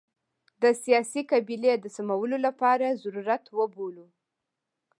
د سیاسي قبلې د سمولو لپاره ضرورت وبولو.